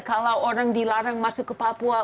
kalau orang dilarang masuk ke papua